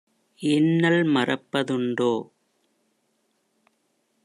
இன்னல் மறப்ப துண்டோ?"